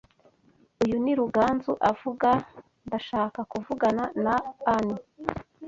Uyu ni Ruganzu avuga. Ndashaka kuvugana na Ann.